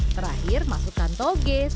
terakhir masukkan tombol